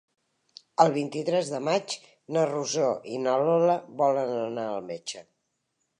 El vint-i-tres de maig na Rosó i na Lola volen anar al metge.